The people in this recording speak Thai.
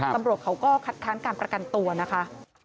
ตำรวจเขาก็คัดค้านการประกันตัวนะคะ